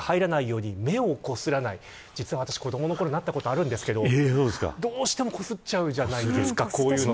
実は子どものころなったことあるんですけどどうしても目をこすっちゃうじゃないですか。